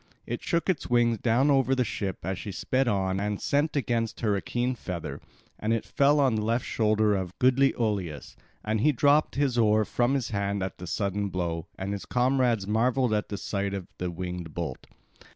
It shook its wings down over the ship as she sped on and sent against her a keen feather, and it fell on the left shoulder of goodly Oileus, and he dropped his oar from his hands at the sudden blow, and his comrades marvelled at the sight of the winged bolt.